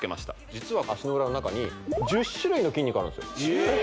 実は足の裏の中に１０種類の筋肉あるんですよ